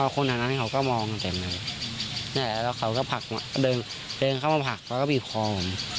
คนอื่นนั้นเขาก็มองเต็มแล้วเขาก็เดินเข้ามาผักเขาก็บีบคอม